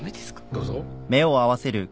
どうぞ。